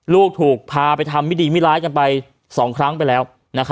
ลูกถูกพาไปทำไม่ดีไม่ร้ายกันไป๒ครั้งไปแล้ว